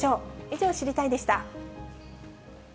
以上、知りたいッ！でした。